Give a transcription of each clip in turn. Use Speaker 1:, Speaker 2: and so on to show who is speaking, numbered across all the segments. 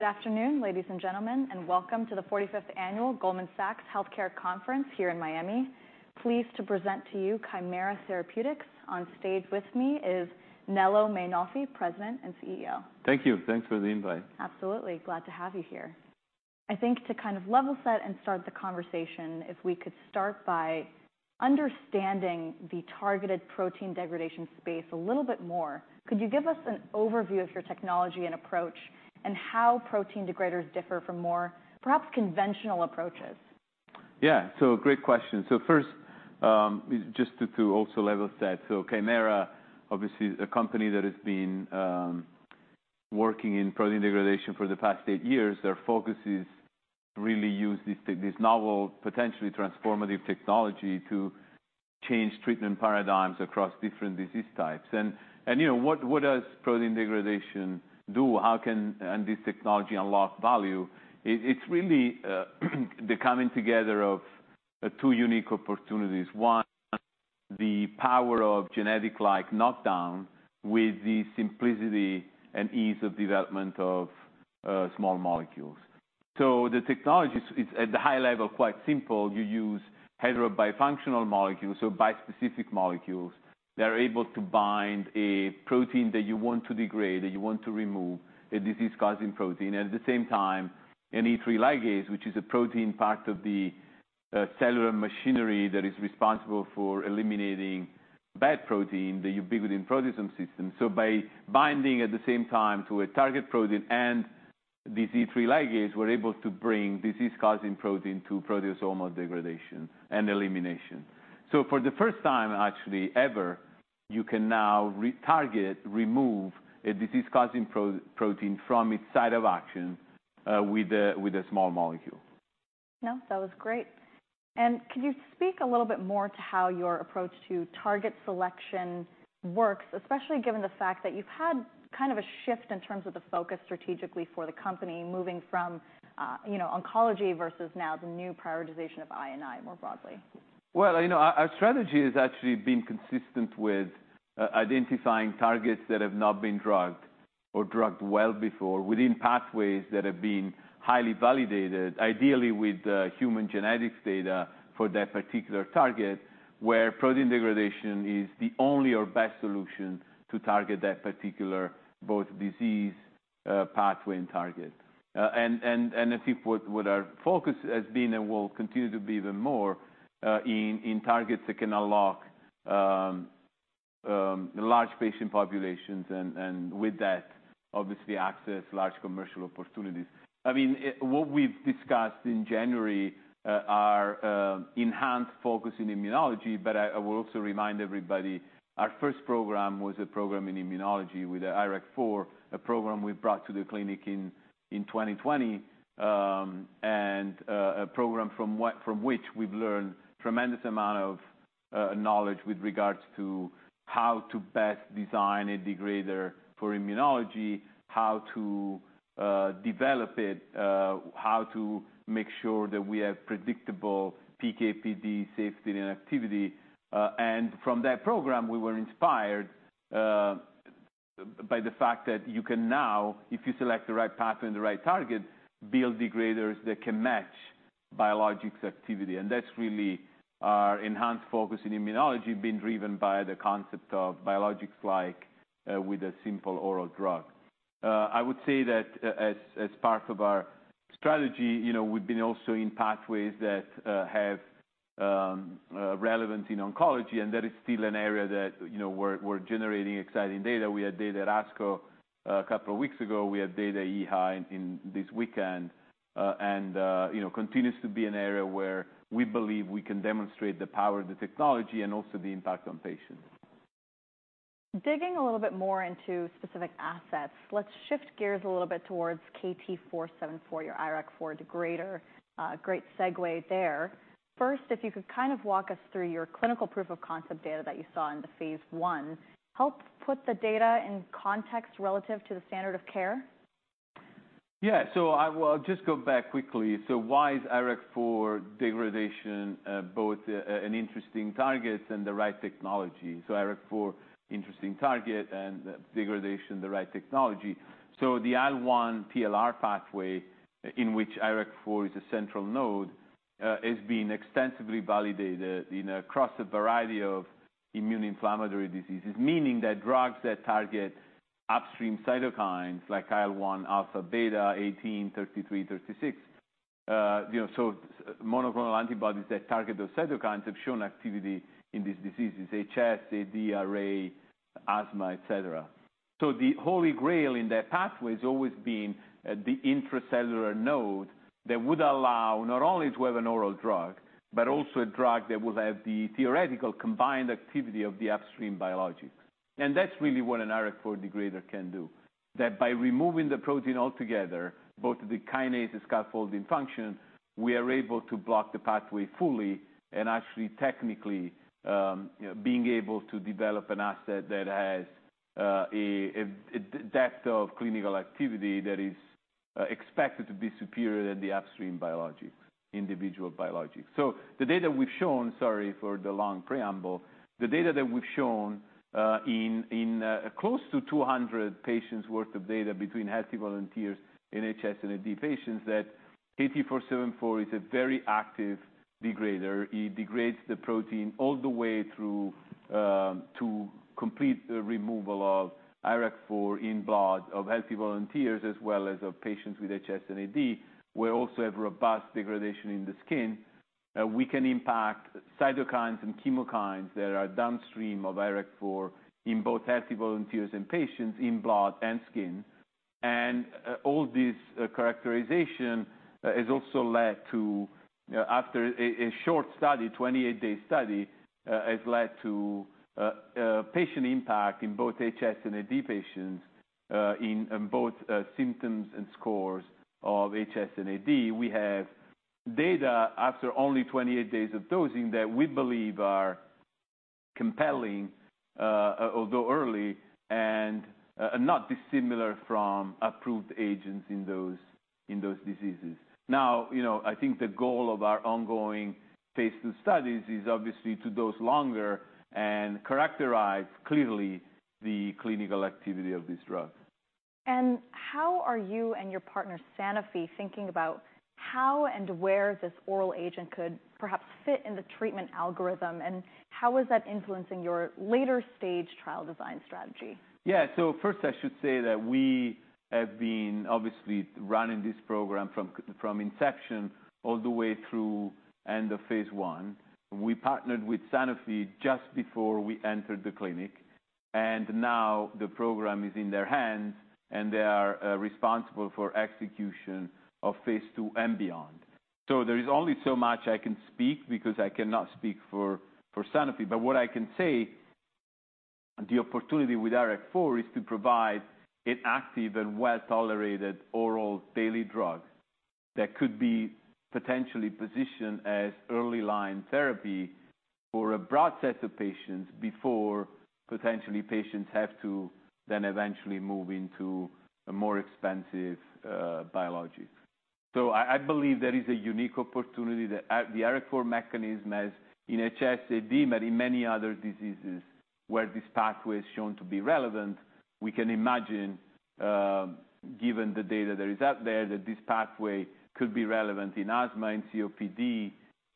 Speaker 1: Good afternoon, ladies and gentlemen, and welcome to the 45th Annual Goldman Sachs Healthcare Conference here in Miami. Pleased to present to you Kymera Therapeutics. On stage with me is Nello Mainolfi, President and CEO.
Speaker 2: Thank you. Thanks for the invite.
Speaker 1: Absolutely. Glad to have you here. I think to kind of level set and start the conversation, if we could start by understanding the targeted protein degradation space a little bit more, could you give us an overview of your technology and approach, and how protein degraders differ from more perhaps conventional approaches?
Speaker 2: Yeah, so great question. So first, just to also level set, so Kymera, obviously a company that has been working in protein degradation for the past eight years, their focus is really to use this novel, potentially transformative technology to change treatment paradigms across different disease types. And what does protein degradation do? How can this technology unlock value? It's really the coming together of two unique opportunities. One, the power of genetic-like knockdown with the simplicity and ease of development of small molecules. So the technology is, at the high level, quite simple. You use heterobifunctional molecules, so bispecific molecules. They're able to bind a protein that you want to degrade, that you want to remove, a disease-causing protein. At the same time, an E3 ligase, which is a protein part of the cellular machinery that is responsible for eliminating bad protein, the ubiquitin proteasome system. So by binding at the same time to a target protein and this E3 ligase, we're able to bring disease-causing protein to proteasomal degradation and elimination. So for the first time, actually, ever, you can now target, remove a disease-causing protein from its site of action with a small molecule.
Speaker 1: No, that was great. Could you speak a little bit more to how your approach to target selection works, especially given the fact that you've had kind of a shift in terms of the focus strategically for the company, moving from oncology versus now the new prioritization of I&I more broadly?
Speaker 2: Well, our strategy has actually been consistent with identifying targets that have not been drugged or drugged well before within pathways that have been highly validated, ideally with human genetics data for that particular target, where protein degradation is the only or best solution to target that particular both disease pathway and target. And I think what our focus has been and will continue to be even more in targets that can unlock large patient populations, and with that, obviously access large commercial opportunities. I mean, what we've discussed in January are enhanced focus in immunology, but I will also remind everybody our first program was a program in immunology with IRAK4, a program we brought to the clinic in 2020, and a program from which we've learned a tremendous amount of knowledge with regards to how to best design a degrader for immunology, how to develop it, how to make sure that we have predictable PK/PD safety and activity. And from that program, we were inspired by the fact that you can now, if you select the right pathway and the right target, build degraders that can match biologics activity. And that's really our enhanced focus in immunology being driven by the concept of biologics like with a simple oral drug. I would say that as part of our strategy, we've been also in pathways that have relevance in oncology, and that is still an area that we're generating exciting data. We had data at ASCO a couple of weeks ago. We had data at EHA this weekend, and continues to be an area where we believe we can demonstrate the power of the technology and also the impact on patients.
Speaker 1: Digging a little bit more into specific assets, let's shift gears a little bit towards KT-474, your IRAK4 degrader. Great segue there. First, if you could kind of walk us through your clinical proof of concept data that you saw in the phase one, help put the data in context relative to the standard of care.
Speaker 2: Yeah, so I will just go back quickly. So why is IRAK4 degradation both an interesting target and the right technology? So IRAK4, interesting target, and degradation, the right technology. So the IL-1R pathway in which IRAK4 is a central node has been extensively validated across a variety of immune inflammatory diseases, meaning that drugs that target upstream cytokines like IL-1 alpha beta 18, 33, 36, so monoclonal antibodies that target those cytokines have shown activity in these diseases: HS, AD, RA, asthma, et cetera. So the holy grail in that pathway has always been the intracellular node that would allow not only to have an oral drug, but also a drug that will have the theoretical combined activity of the upstream biologics. That's really what an IRAK4 degrader can do, that by removing the protein altogether, both the kinase and scaffolding function, we are able to block the pathway fully and actually technically being able to develop an asset that has a depth of clinical activity that is expected to be superior than the upstream biologics, individual biologics. So the data we've shown, sorry for the long preamble, the data that we've shown in close to 200 patients' worth of data between healthy volunteers, HS, and AD patients, that KT-474 is a very active degrader. It degrades the protein all the way to complete removal of IRAK4 in blood of healthy volunteers as well as of patients with HS and AD. We also have robust degradation in the skin. We can impact cytokines and chemokines that are downstream of IRAK4 in both healthy volunteers and patients in blood and skin. And all this characterization has also led to, after a short study, 28-day study, has led to patient impact in both HS and AD patients in both symptoms and scores of HS and AD. We have data after only 28 days of dosing that we believe are compelling, although early, and not dissimilar from approved agents in those diseases. Now, I think the goal of our ongoing phase 2 studies is obviously to dose longer and characterize clearly the clinical activity of this drug.
Speaker 1: How are you and your partner, Sanofi, thinking about how and where this oral agent could perhaps fit in the treatment algorithm, and how is that influencing your later stage trial design strategy?
Speaker 2: Yeah, so first I should say that we have been obviously running this program from inception all the way through end of phase one. We partnered with Sanofi just before we entered the clinic, and now the program is in their hands, and they are responsible for execution of phase two and beyond. So there is only so much I can speak because I cannot speak for Sanofi, but what I can say, the opportunity with IRAK4 is to provide an active and well-tolerated oral daily drug that could be potentially positioned as early line therapy for a broad set of patients before potentially patients have to then eventually move into a more expensive biologic. So I believe there is a unique opportunity that the IRAK4 mechanism has in HS, AD, but in many other diseases where this pathway is shown to be relevant. We can imagine, given the data that is out there, that this pathway could be relevant in asthma, in COPD,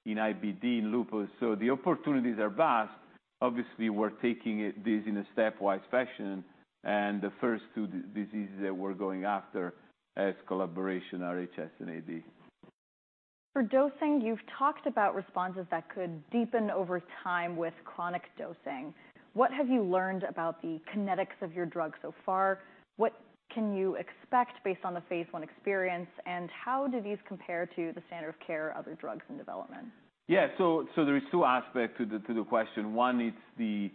Speaker 2: in IBD, in lupus. So the opportunities are vast. Obviously, we're taking this in a stepwise fashion, and the first two diseases that we're going after is collaboration on HS and AD.
Speaker 1: For dosing, you've talked about responses that could deepen over time with chronic dosing. What have you learned about the kinetics of your drug so far? What can you expect based on the phase 1 experience, and how do these compare to the standard of care of other drugs in development?
Speaker 2: Yeah, so there are two aspects to the question. One is,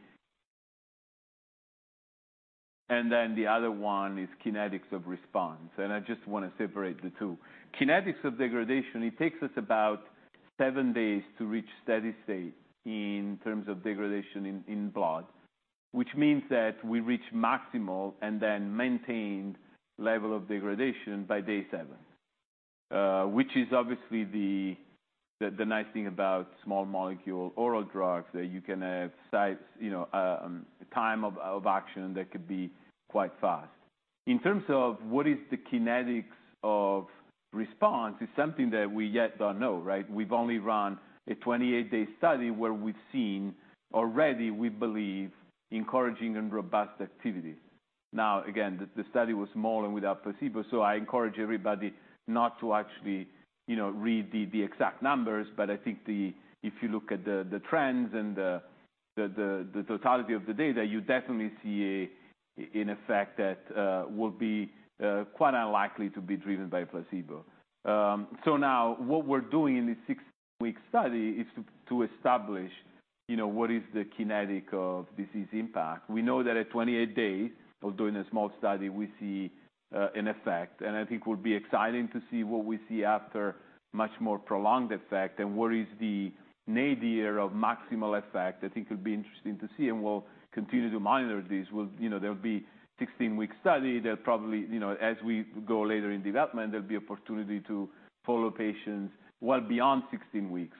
Speaker 2: and then the other one is kinetics of response. And I just want to separate the two. Kinetics of degradation, it takes us about 7 days to reach steady state in terms of degradation in blood, which means that we reach maximal and then maintained level of degradation by day 7, which is obviously the nice thing about small molecule oral drugs that you can have time of action that could be quite fast. In terms of what is the kinetics of response, it's something that we yet don't know, right? We've only run a 28-day study where we've seen already, we believe, encouraging and robust activity. Now, again, the study was small and without placebo, so I encourage everybody not to actually read the exact numbers, but I think if you look at the trends and the totality of the data, you definitely see an effect that will be quite unlikely to be driven by placebo. So now what we're doing in this 6-week study is to establish what is the kinetics of disease impact. We know that at 28 days, although in a small study, we see an effect, and I think it will be exciting to see what we see after much more prolonged effect. And what is the nadir of maximal effect? I think it'll be interesting to see, and we'll continue to monitor this. There'll be a 16-week study. As we go later in development, there'll be opportunity to follow patients well beyond 16 weeks.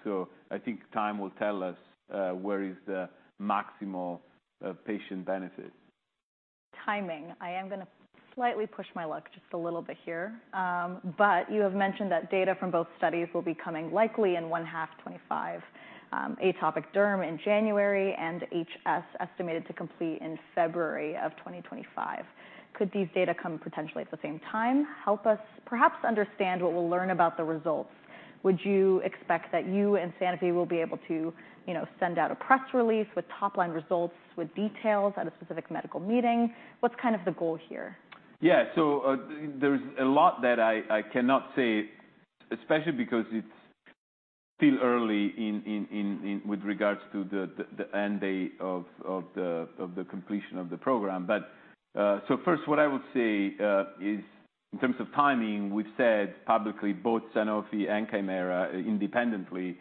Speaker 2: I think time will tell us where is the maximal patient benefit.
Speaker 1: Timing. I am going to slightly push my luck just a little bit here, but you have mentioned that data from both studies will be coming likely in 1H 2025, atopic derm in January and HS estimated to complete in February of 2025. Could these data come potentially at the same time? Help us perhaps understand what we'll learn about the results. Would you expect that you and Sanofi will be able to send out a press release with top-line results with details at a specific medical meeting? What's kind of the goal here?
Speaker 2: Yeah, so there's a lot that I cannot say, especially because it's still early with regards to the end date of the completion of the program. But so first, what I will say is in terms of timing, we've said publicly both Sanofi and Kymera independently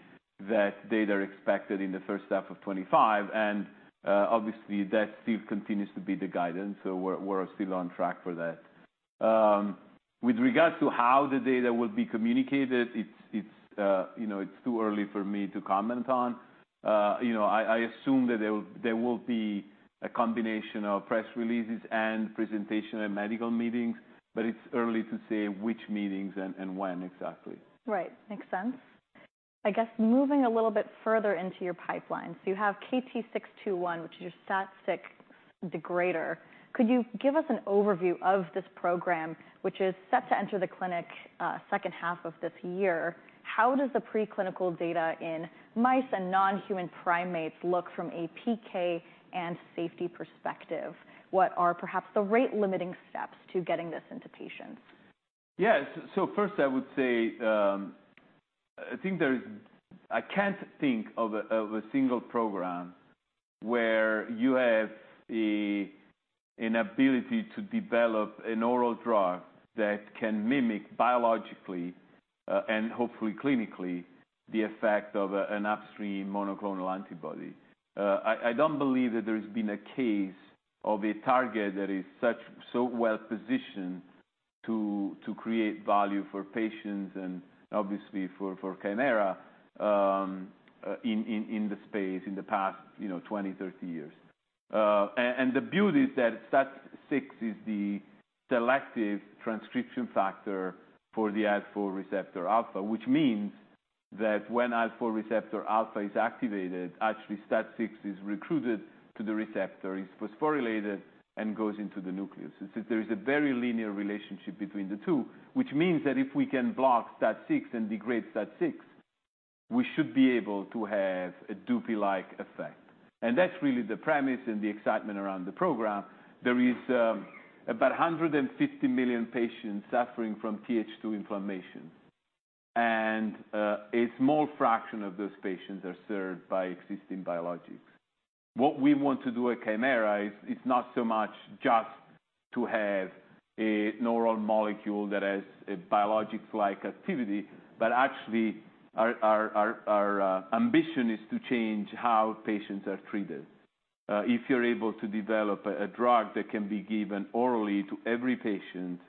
Speaker 2: that data are expected in the first half of 2025, and obviously that still continues to be the guidance, so we're still on track for that. With regards to how the data will be communicated, it's too early for me to comment on. I assume that there will be a combination of press releases and presentation at medical meetings, but it's early to say which meetings and when exactly.
Speaker 1: Right, makes sense. I guess moving a little bit further into your pipeline, so you have KT-621, which is your STAT6 degrader. Could you give us an overview of this program, which is set to enter the clinic second half of this year? How does the preclinical data in mice and non-human primates look from a PK and safety perspective? What are perhaps the rate-limiting steps to getting this into patients?
Speaker 2: Yeah, so first I would say I can't think of a single program where you have an ability to develop an oral drug that can mimic biologically and hopefully clinically the effect of an upstream monoclonal antibody. I don't believe that there has been a case of a target that is so well positioned to create value for patients and obviously for Kymera in the space in the past 20, 30 years. And the beauty is that STAT6 is the selective transcription factor for the IL-4 receptor alpha, which means that when IL-4 receptor alpha is activated, actually STAT6 is recruited to the receptor, is phosphorylated, and goes into the nucleus. There is a very linear relationship between the two, which means that if we can block STAT6 and degrade STAT6, we should be able to have a dupilumab-like effect. That's really the premise and the excitement around the program. There is about 150 million patients suffering from TH2 inflammation, and a small fraction of those patients are served by existing biologics. What we want to do at Kymera is not so much just to have an oral molecule that has biologics-like activity, but actually our ambition is to change how patients are treated. If you're able to develop a drug that can be given orally to every patient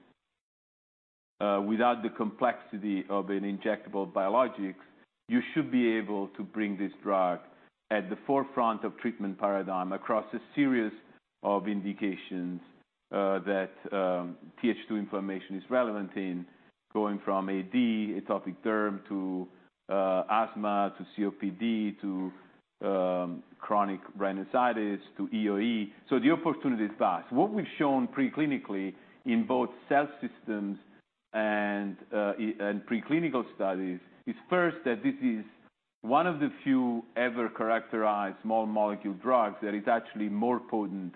Speaker 2: without the complexity of an injectable biologics, you should be able to bring this drug at the forefront of treatment paradigm across a series of indications that TH2 inflammation is relevant in, going from AD, atopic derm, to asthma, to COPD, to chronic rhinosinusitis, to EOE. So the opportunity is vast. What we've shown preclinically in both cell systems and preclinical studies is first that this is one of the few ever characterized small molecule drugs that is actually more potent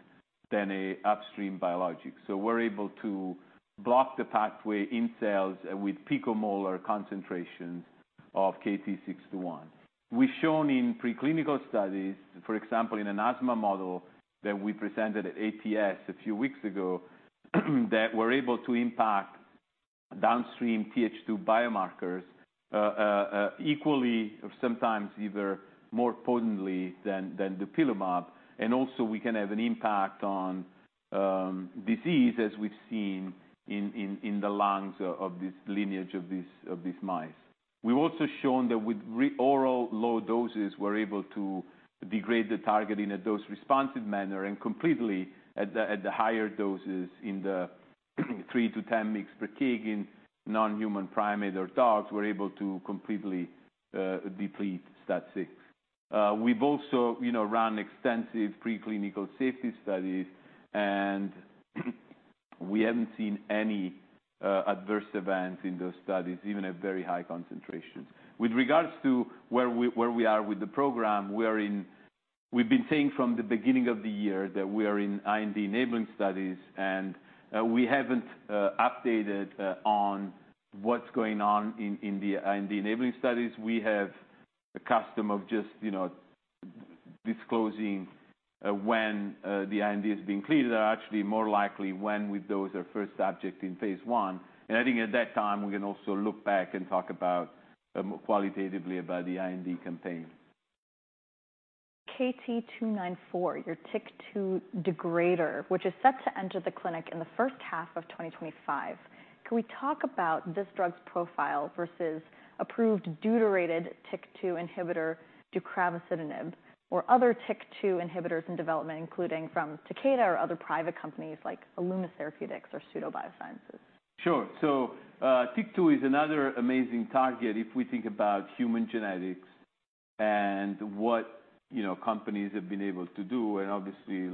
Speaker 2: than an upstream biologic. So we're able to block the pathway in cells with pico- or nanomolar concentrations of KT-621. We've shown in preclinical studies, for example, in an asthma model that we presented at ATS a few weeks ago that we're able to impact downstream TH2 biomarkers equally or sometimes even more potently than dupilumab. And also we can have an impact on disease as we've seen in the lungs of this lineage of these mice. We've also shown that with oral low doses, we're able to degrade the target in a dose-responsive manner and completely at the higher doses in the 3-10 mg/kg basis in non-human primates or dogs, we're able to completely deplete STAT6. We've also run extensive preclinical safety studies, and we haven't seen any adverse events in those studies, even at very high concentrations. With regards to where we are with the program, we've been saying from the beginning of the year that we are in IND enabling studies, and we haven't updated on what's going on in the IND enabling studies. We have a custom of just disclosing when the IND has been cleared. They're actually more likely when we dose our first subject in phase one. And I think at that time we can also look back and talk qualitatively about the IND campaign.
Speaker 1: KT-294, your TYK2 degrader, which is set to enter the clinic in the first half of 2025. Can we talk about this drug's profile versus approved deuterated TYK2 inhibitor deucravacitinib or other TYK2 inhibitors in development, including from Takeda or other private companies like Alumis or Sudo Biosciences?
Speaker 2: Sure. So TYK2 is another amazing target if we think about human genetics and what companies have been able to do. And obviously,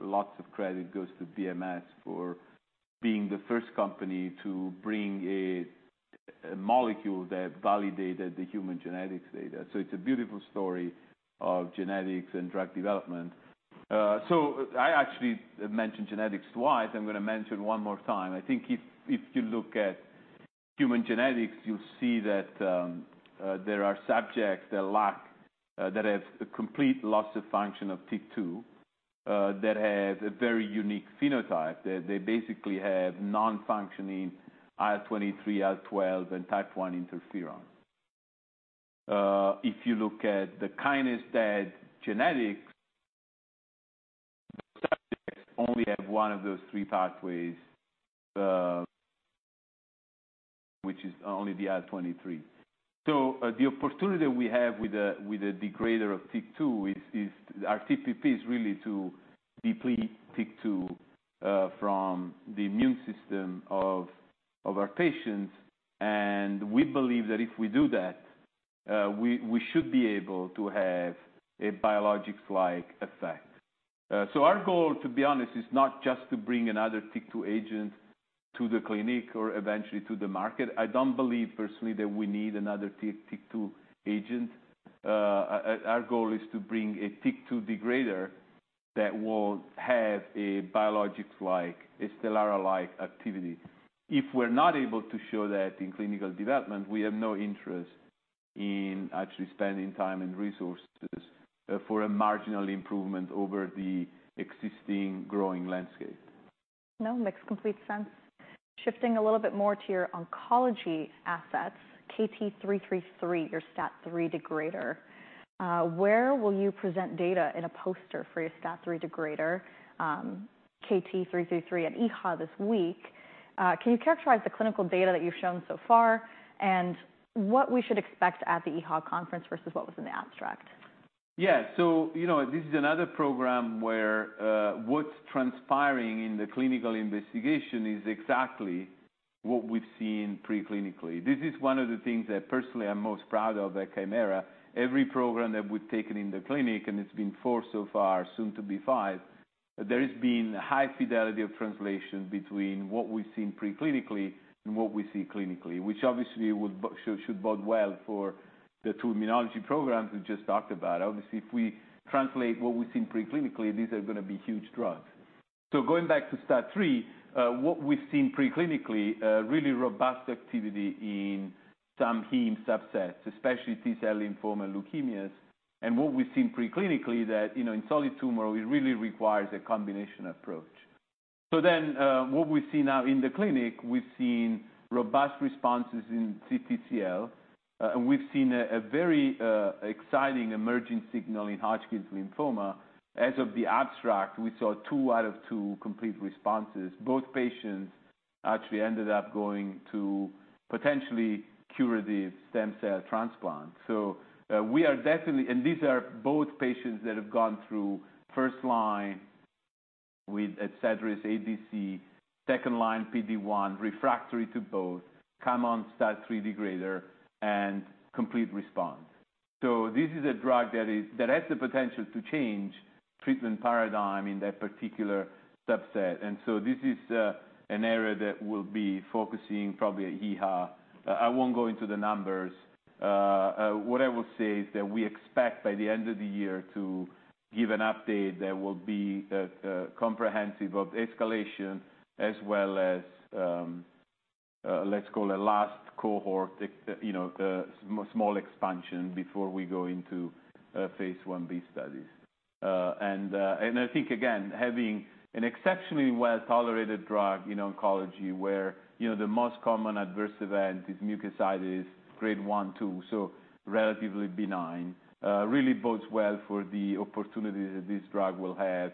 Speaker 2: lots of credit goes to BMS for being the first company to bring a molecule that validated the human genetics data. So it's a beautiful story of genetics and drug development. So I actually mentioned genetics twice. I'm going to mention one more time. I think if you look at human genetics, you'll see that there are subjects that have a complete loss of function of TYK2 that have a very unique phenotype. They basically have non-functioning IL-23, IL-12, and type I interferon. If you look at the kind, it's that genetics, those subjects only have one of those three pathways, which is only the IL-23. So the opportunity we have with a degrader of TYK2 is our TPP is really to deplete TYK2 from the immune system of our patients. And we believe that if we do that, we should be able to have a biologics-like effect. So our goal, to be honest, is not just to bring another TYK2 agent to the clinic or eventually to the market. I don't believe personally that we need another TYK2 agent. Our goal is to bring a TYK2 degrader that will have a biologics-like, a Stelara-like activity. If we're not able to show that in clinical development, we have no interest in actually spending time and resources for a marginal improvement over the existing growing landscape.
Speaker 1: No, makes complete sense. Shifting a little bit more to your oncology assets, KT-333, your STAT3 degrader. Where will you present data in a poster for your STAT3 degrader, KT-333, at EHA this week? Can you characterize the clinical data that you've shown so far and what we should expect at the EHA conference versus what was in the abstract?
Speaker 2: Yeah, so this is another program where what's transpiring in the clinical investigation is exactly what we've seen preclinically. This is one of the things that personally I'm most proud of at Kymera. Every program that we've taken in the clinic, and it's been four so far, soon to be five, there has been high fidelity of translation between what we've seen preclinically and what we see clinically, which obviously should bode well for the immunology program we just talked about. Obviously, if we translate what we've seen preclinically, these are going to be huge drugs. So going back to STAT3, what we've seen preclinically, really robust activity in some heme subsets, especially T-cell lymphoma leukemias. And what we've seen preclinically is that in solid tumor, it really requires a combination approach. So then what we've seen now in the clinic, we've seen robust responses in CTCL, and we've seen a very exciting emerging signal in Hodgkin's lymphoma. As of the abstract, we saw 2 out of 2 complete responses. Both patients actually ended up going to potentially curative stem cell transplant. So we are definitely, and these are both patients that have gone through first line with Adcetris, ADC, second line PD1, refractory to both, come on STAT3 degrader, and complete response. So this is a drug that has the potential to change treatment paradigm in that particular subset. And so this is an area that we'll be focusing probably at EHOD. I won't go into the numbers. What I will say is that we expect by the end of the year to give an update that will be comprehensive of escalation as well as, let's call it, last cohort, small expansion before we go into phase 1B studies. And I think, again, having an exceptionally well-tolerated drug in oncology where the most common adverse event is mucositis grade 1, 2, so relatively benign, really bodes well for the opportunities that this drug will have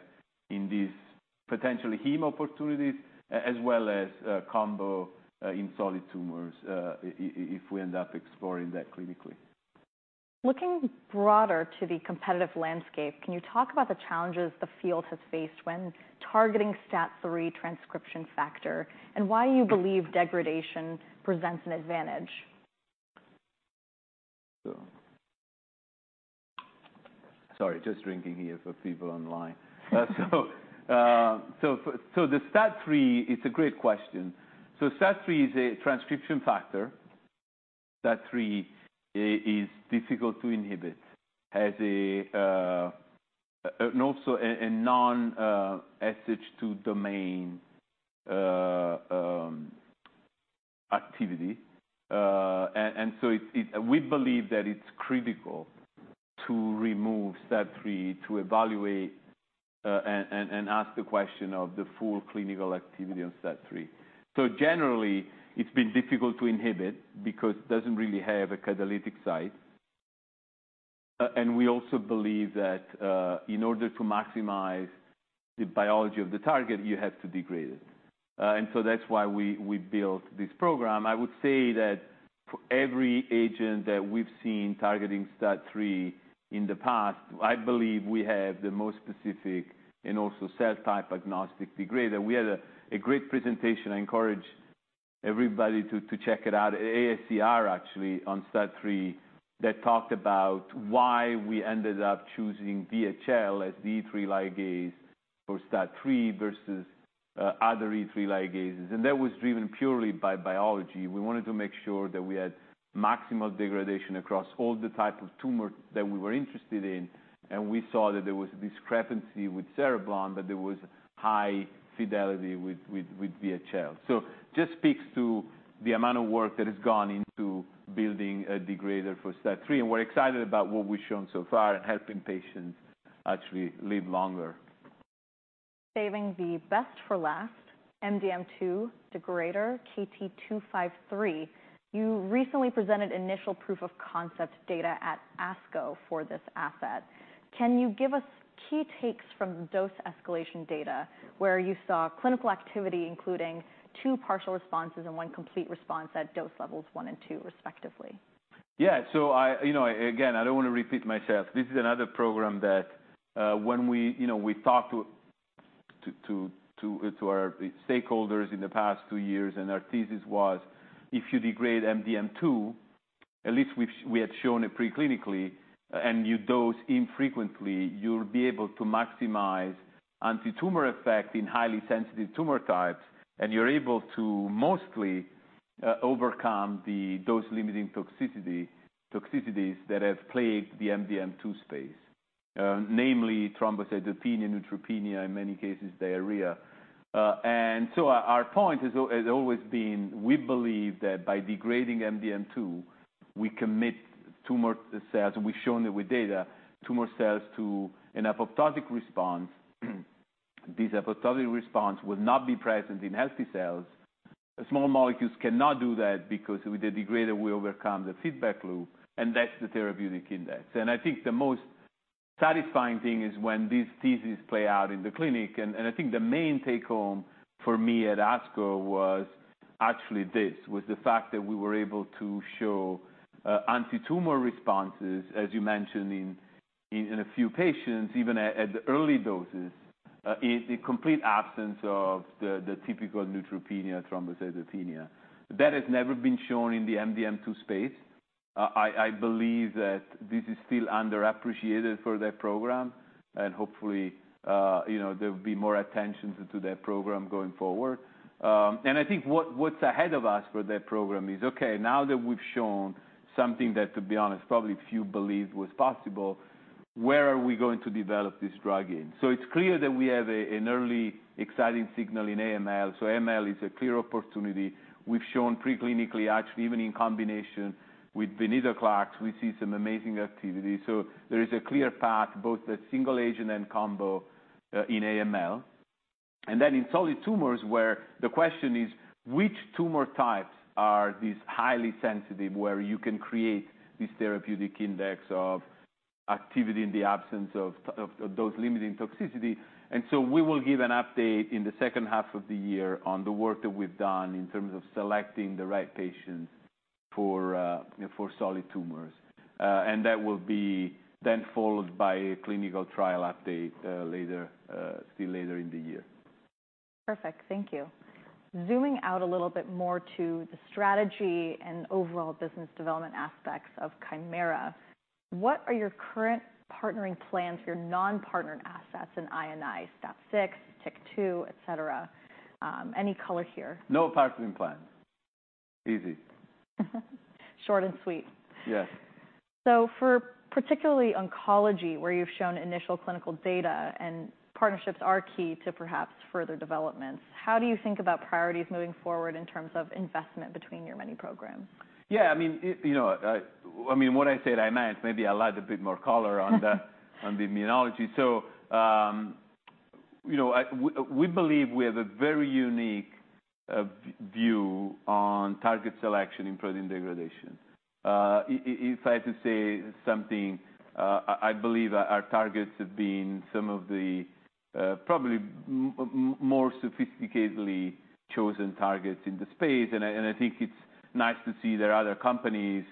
Speaker 2: in these potentially heme opportunities as well as combo in solid tumors if we end up exploring that clinically.
Speaker 1: Looking broader to the competitive landscape, can you talk about the challenges the field has faced when targeting STAT3 transcription factor, and why you believe degradation presents an advantage?
Speaker 2: Sorry, just drinking here for people online. The STAT3, it's a great question. STAT3 is a transcription factor. STAT3 is difficult to inhibit, and also a non-SH2 domain activity. We believe that it's critical to remove STAT3 to evaluate and ask the question of the full clinical activity of STAT3. Generally, it's been difficult to inhibit because it doesn't really have a catalytic site. We also believe that in order to maximize the biology of the target, you have to degrade it. That's why we built this program. I would say that for every agent that we've seen targeting STAT3 in the past, I believe we have the most specific and also cell-type agnostic degrader. We had a great presentation. I encourage everybody to check it out. AACR actually on STAT3 that talked about why we ended up choosing VHL as the E3 ligase for STAT3 versus other E3 ligases. That was driven purely by biology. We wanted to make sure that we had maximal degradation across all the type of tumor that we were interested in. We saw that there was a discrepancy with Cereblon, but there was high fidelity with VHL. So it just speaks to the amount of work that has gone into building a degrader for STAT3. We're excited about what we've shown so far and helping patients actually live longer.
Speaker 1: Saving the best for last, MDM2 degrader, KT-253. You recently presented initial proof of concept data at ASCO for this asset. Can you give us key takes from dose escalation data where you saw clinical activity, including two partial responses and one complete response at dose levels one and two, respectively?
Speaker 2: Yeah. So again, I don't want to repeat myself. This is another program that when we talked to our stakeholders in the past two years, and our thesis was if you degrade MDM2, at least we had shown it preclinically, and you dose infrequently, you'll be able to maximize anti-tumor effect in highly sensitive tumor types, and you're able to mostly overcome the dose-limiting toxicities that have plagued the MDM2 space, namely thrombocytopenia, neutropenia, in many cases, diarrhea. And so our point has always been, we believe that by degrading MDM2, we commit tumor cells to an apoptotic response. We've shown it with data, tumor cells to an apoptotic response. This apoptotic response will not be present in healthy cells. Small molecules cannot do that because with the degrader, we overcome the feedback loop, and that's the therapeutic index. And I think the most satisfying thing is when these theses play out in the clinic. And I think the main take home for me at ASCO was actually this, was the fact that we were able to show anti-tumor responses, as you mentioned, in a few patients, even at the early doses, in the complete absence of the typical neutropenia, thrombocytopenia. That has never been shown in the MDM2 space. I believe that this is still underappreciated for that program, and hopefully there will be more attention to that program going forward. And I think what's ahead of us for that program is, okay, now that we've shown something that, to be honest, probably few believed was possible, where are we going to develop this drug in? So it's clear that we have an early exciting signal in AML. So AML is a clear opportunity. We've shown preclinically, actually, even in combination with venetoclax, we see some amazing activity. So there is a clear path, both the single agent and combo in AML. And then in solid tumors, where the question is, which tumor types are these highly sensitive where you can create this therapeutic index of activity in the absence of dose-limiting toxicity? And so we will give an update in the second half of the year on the work that we've done in terms of selecting the right patients for solid tumors. And that will be then followed by a clinical trial update still later in the year.
Speaker 1: Perfect. Thank you. Zooming out a little bit more to the strategy and overall business development aspects of Kymera, what are your current partnering plans for your non-partnered assets in INI, STAT6, TYK2, etc.? Any color here?
Speaker 2: No partnering plans. Easy.
Speaker 1: Short and sweet.
Speaker 2: Yes.
Speaker 1: For particularly oncology, where you've shown initial clinical data and partnerships are key to perhaps further developments, how do you think about priorities moving forward in terms of investment between your many programs?
Speaker 2: Yeah. I mean, what I said, I meant, maybe I'll add a bit more color on the immunology. So we believe we have a very unique view on target selection in protein degradation. If I had to say something, I believe our targets have been some of the probably more sophisticatedly chosen targets in the space. And I think it's nice to see there are other companies,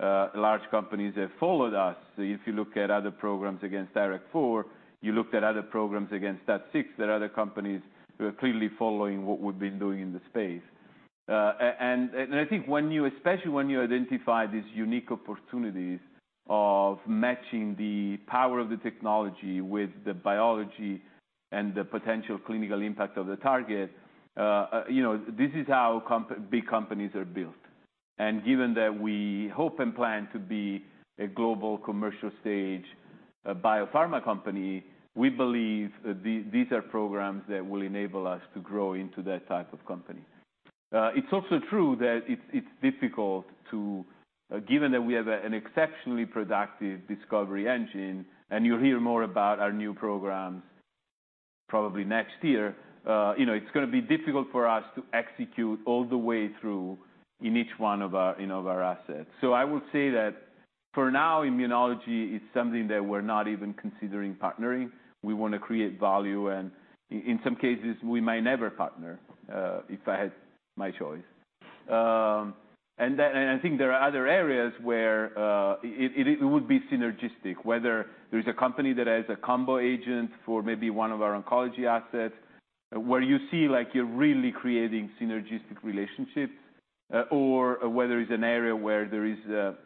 Speaker 2: large companies that followed us. If you look at other programs against IRAK4, you looked at other programs against STAT6, there are other companies who are clearly following what we've been doing in the space. And I think when you, especially when you identify these unique opportunities of matching the power of the technology with the biology and the potential clinical impact of the target, this is how big companies are built. Given that we hope and plan to be a global commercial stage biopharma company, we believe these are programs that will enable us to grow into that type of company. It's also true that it's difficult to, given that we have an exceptionally productive discovery engine, and you'll hear more about our new programs probably next year, it's going to be difficult for us to execute all the way through in each one of our assets. I will say that for now, immunology is something that we're not even considering partnering. We want to create value, and in some cases, we might never partner if I had my choice. I think there are other areas where it would be synergistic, whether there is a company that has a combo agent for maybe one of our oncology assets, where you see like you're really creating synergistic relationships, or whether it's an area where there is a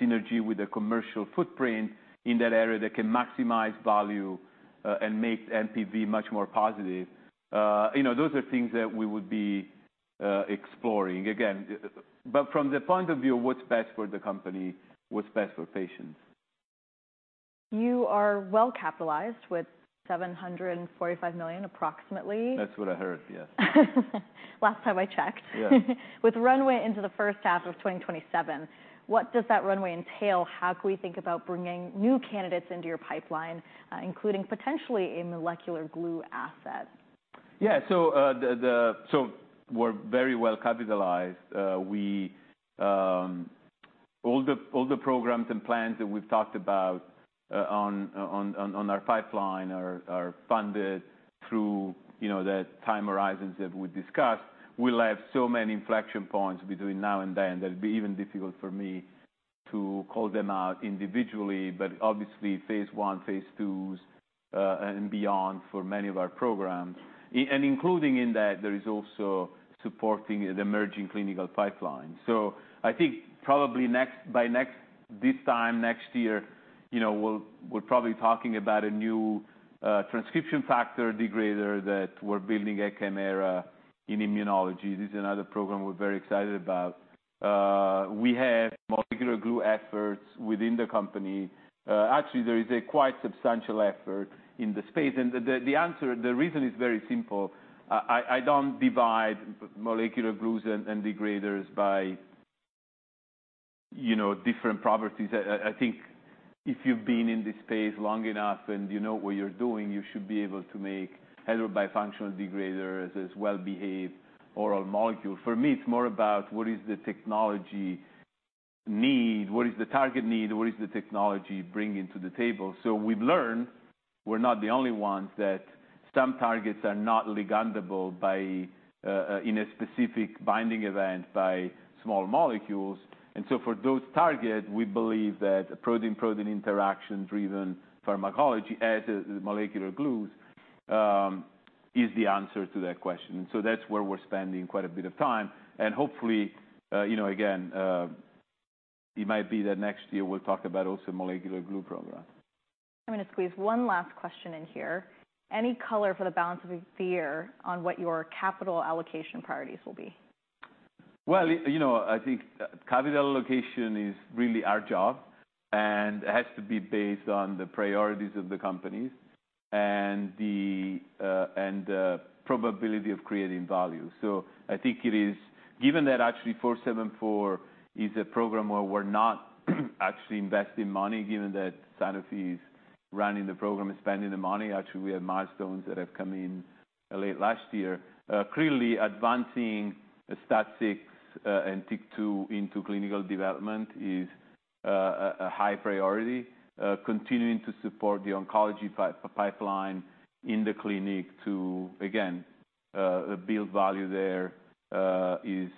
Speaker 2: synergy with a commercial footprint in that area that can maximize value and make NPV much more positive. Those are things that we would be exploring, again. But from the point of view of what's best for the company, what's best for patients.
Speaker 1: You are well capitalized with $745 million, approximately.
Speaker 2: That's what I heard, yes.
Speaker 1: Last time I checked.
Speaker 2: Yeah.
Speaker 1: With runway into the first half of 2027, what does that runway entail? How can we think about bringing new candidates into your pipeline, including potentially a molecular glue asset?
Speaker 2: Yeah. So we're very well capitalized. All the programs and plans that we've talked about on our pipeline are funded through the time horizons that we discussed. We'll have so many inflection points between now and then that it'd be even difficult for me to call them out individually, but obviously phase 1, phase 2s, and beyond for many of our programs. And including in that, there is also supporting the emerging clinical pipeline. So I think probably by this time, next year, we're probably talking about a new transcription factor degrader that we're building at Kymera in immunology. This is another program we're very excited about. We have molecular glue efforts within the company. Actually, there is a quite substantial effort in the space. And the reason is very simple. I don't divide molecular glues and degraders by different properties. I think if you've been in this space long enough and you know what you're doing, you should be able to make heterobifunctional degraders as well-behaved oral molecules. For me, it's more about what is the technology need, what is the target need, what is the technology bringing to the table. So we've learned we're not the only ones that some targets are not ligandable in a specific binding event by small molecules. And so for those targets, we believe that protein-protein interaction-driven pharmacology as molecular glues is the answer to that question. And so that's where we're spending quite a bit of time. And hopefully, again, it might be that next year we'll talk about also molecular glue program.
Speaker 1: I'm going to squeeze one last question in here. Any color for the balance of the year on what your capital allocation priorities will be?
Speaker 2: Well, I think capital allocation is really our job, and it has to be based on the priorities of the companies and the probability of creating value. So I think it is, given that actually 474 is a program where we're not actually investing money, given that Sanofi is running the program, is spending the money. Actually we have milestones that have come in late last year. Clearly, advancing STAT6 and TYK2 into clinical development is a high priority. Continuing to support the oncology pipeline in the clinic to, again, build value there is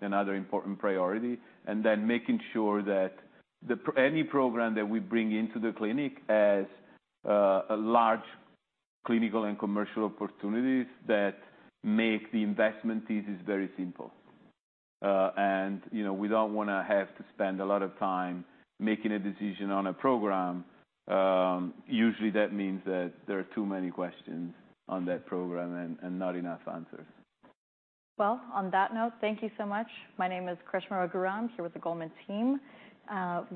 Speaker 2: another important priority. And then making sure that any program that we bring into the clinic has large clinical and commercial opportunities that make the investment thesis very simple. And we don't want to have to spend a lot of time making a decision on a program. Usually, that means that there are too many questions on that program and not enough answers.
Speaker 1: Well, on that note, thank you so much. My name is Karishma Raghuram here with the Goldman team.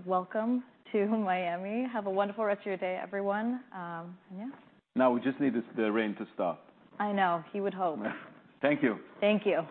Speaker 1: Welcome to Miami. Have a wonderful rest of your day, everyone. And yeah.
Speaker 2: Now we just need the rain to stop.
Speaker 1: I know. He would hope.
Speaker 2: Thank you.
Speaker 1: Thank you.